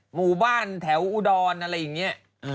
หมู่บ้านแถวอุดรอะไรอย่างนี้